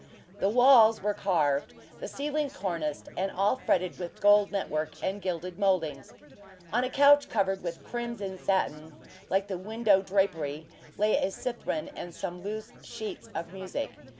The walls were carved, the ceiling corniced, and all fretted with gold network and gilded mouldings. On a couch covered with crimson satin, like the window drapery, lay a cithren and some loose sheets of music.